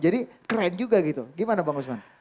jadi keren juga gitu gimana bang gusman